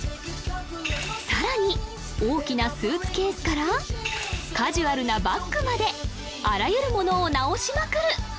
さらに大きなスーツケースからカジュアルなバッグまであらゆるものを直しまくる！